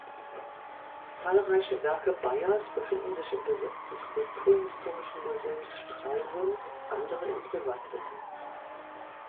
Zahlreiche Werke Beyers befinden sich im Besitz des Kulturhistorischen Museums Stralsund, andere in Privatbesitz.